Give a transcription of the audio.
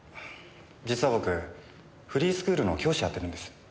実は僕フリースクールの教師やってるんです。